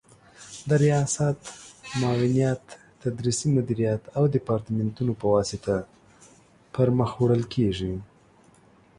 د ریاست، معاونیت، تدریسي مدیریت او دیپارتمنتونو په واسطه پر مخ وړل کیږي